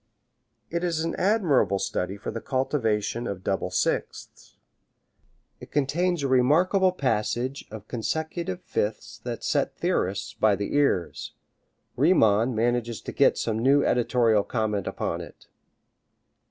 It is an admirable study for the cultivation of double sixths. It contains a remarkable passage of consecutive fifths that set the theorists by the ears. Riemann manages to get some new editorial comment upon it.